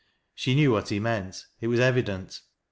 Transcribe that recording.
She knew what he meant, it was evident.